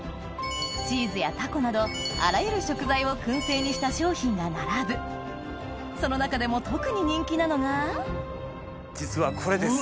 チーズやタコなどあらゆる食材を燻製にした商品が並ぶその中でも特に人気なのが実はこれです。